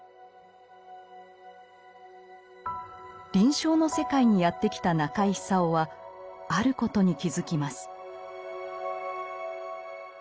臨床の世界にやって来た中井久夫はあることに気付きます。